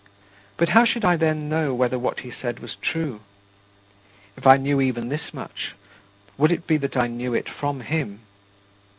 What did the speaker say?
But how should I then know whether what he said was true? If I knew even this much, would it be that I knew it from him?